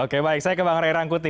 oke baik saya ke bang rerang kuti